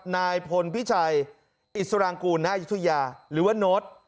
นายพลพิชัยอิสรางกูลณยุธยาหรือว่าโน้ต